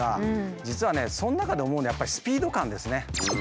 実はねその中で思うのはやっぱりスピード感ですね。